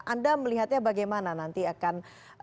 anda melihatnya bagaimana nanti akan